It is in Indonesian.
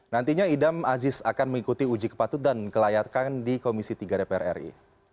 nantinya idam aziz akan mengikuti uji kepatutan kelayakan di komisi tiga dpr ri